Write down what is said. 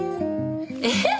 えっ？